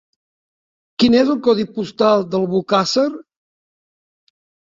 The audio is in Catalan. Quin és el codi postal d'Albocàsser?